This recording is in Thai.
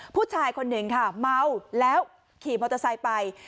ผู้ชายคนหนึ่งค่ะเมาแล้วขี่มอเตอร์ไซค์ไป